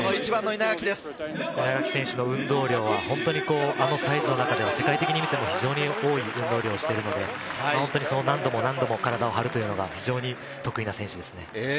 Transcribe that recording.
稲垣選手の運動量は本当に、あのサイズの中では世界的に見ても多い運動量をしてるので、何度も体を張るというのが非常に得意な選手ですね。